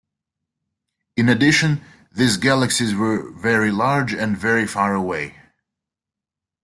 In addition, these galaxies were very large and very far away.